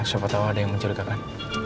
siapa tau ada yang menceritakan